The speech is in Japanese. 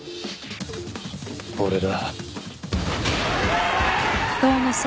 俺だ。